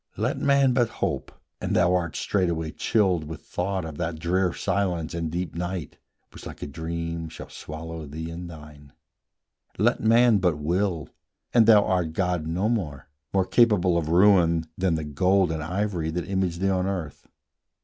Let man but hope, and thou art straightway chilled With thought of that drear silence and deep night Which, like a dream, shall swallow thee and thine: Let man but will, and thou art god no more, More capable of ruin than the gold And ivory that image thee on earth.